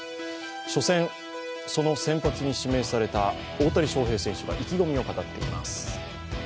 初戦、その先発に指名された大谷翔平選手が意気込みを語っています。